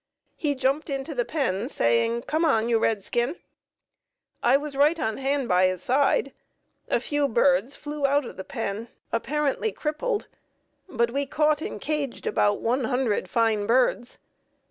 He jumped into the pen, saying, "Come on, you red skin." I was right on hand by his side. A few birds flew out of the pen apparently crippled, but we caught and caged about one hundred fine birds.